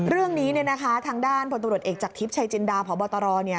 เรื่องนี้เนี่ยนะคะทางด้านพลตำรวจเอกจากทิพย์ชายจินดาพบตรเนี่ย